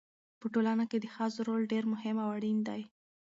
په ټولنه کې د ښځو رول ډېر مهم او اړین دی.